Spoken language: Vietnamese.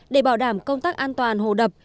để bảo đảm công tác an toàn hồ đập